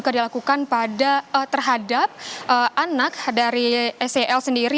juga dilakukan terhadap anak dari sel sendiri